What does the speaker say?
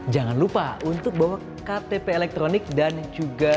jangan lupa untuk bawa ktp elektronik dan juga